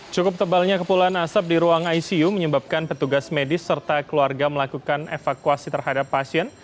cukup tebalnya kepulan asap di ruang icu menyebabkan petugas medis serta keluarga melakukan evakuasi terhadap pasien